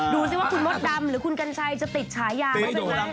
ดูสิว่าคุณมดดำหรือคุณกัญชัยจะติดฉายาเขาเป็นไง